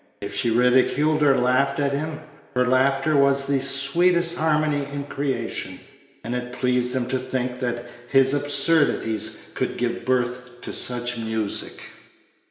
If she ridiculed or laughed at him, her laughter was the sweetest harmony in creation; and it pleased him to think that his absurdities could give birth to such music.